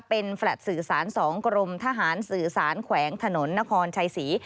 เป็นแฟลตสื่อสาร๒กรมทหารสื่อสารแขวงถนนนครชัยศรี